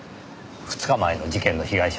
２日前の事件の被害者